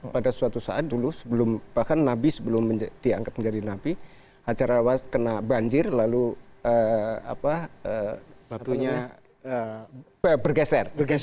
pada suatu saat dulu sebelum bahkan nabi sebelum dianggap menjadi nabi hajar aswad kena banjir lalu bergeser